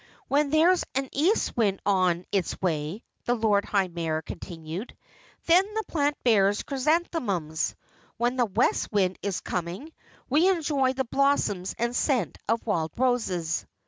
When there's an east wind on its way," the Lord High Mayor continued, "then the plant bears chrysanthemums. When the west wind is coming, we enjoy the blossoms and scent of wild roses."